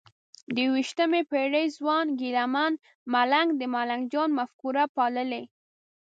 د یویشتمې پېړۍ ځوان ګیله من ملنګ د ملنګ جان مفکوره پاللې؟